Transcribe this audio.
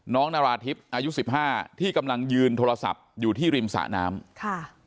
นาราธิบอายุสิบห้าที่กำลังยืนโทรศัพท์อยู่ที่ริมสะน้ำค่ะ